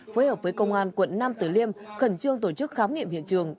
phối hợp với công an quận nam tử liêm khẩn trương tổ chức khám nghiệm hiện trường